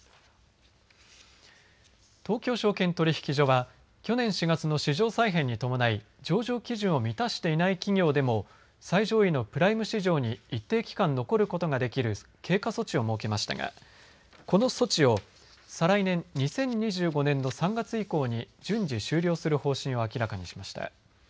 東京証券取引所は去年４月の市場再編に伴い上場基準を満たしていない企業でも最上位のプライム市場に一定期間残ることができる経過措置を設けましたがこの措置を再来年２０２５年の３月以降に順次終了する方針を明らかにしました。